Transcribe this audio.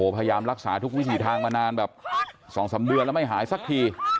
พยายามรักษาทุกวิถีทางมานานแบบ๒๓เดือนแล้วไม่หายสักที